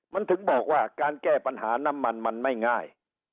มันถึงบอกว่าการแก้ปัญหาน้ำมันมันไม่ง่าย